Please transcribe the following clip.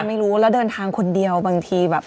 ไม่รู้แล้วเดินทางคนเดียวบางทีแบบ